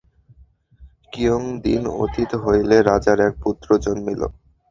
কিয়ৎ দিন অতীত হইলে রাজার এক পুত্র জন্মিল।